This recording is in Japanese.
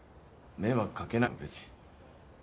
迷惑かけないよ別に。